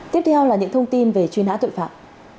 tiếp theo là những thông tin về truy nã tội phạm